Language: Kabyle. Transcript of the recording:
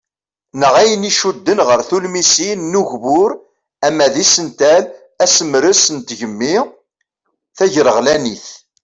Neɣ ayen iccuden ɣer tulmisin n ugbur ama d isental, asemres n tgemmi ,tagreɣlanit.